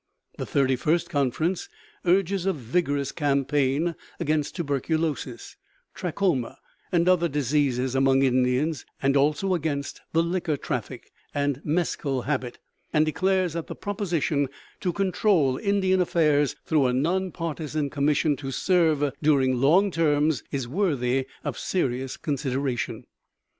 The thirty first conference urges a vigorous campaign against tuberculosis, trachoma, and other diseases among Indians, also against the liquor traffic, and mescal habit, and declares that the proposition to control Indian affairs through a non partisan commission to serve during long terms is "worthy of serious consideration."